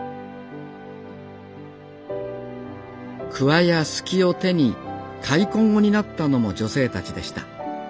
鍬や鋤を手に開墾を担ったのも女性たちでした。